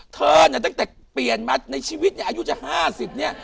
เธอเนี่ยตั้งแต่เปลี่ยนมาในชีวิตเนี่ยอายุจะ๕๐เนี่ย